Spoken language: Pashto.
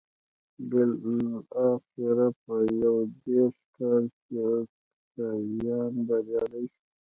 بلاخره په یو دېرش کال کې اوکتاویان بریالی شو